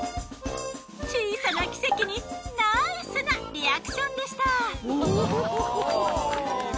小さな奇跡にナイスなリアクションでした。